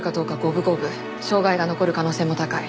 障害が残る可能性も高い。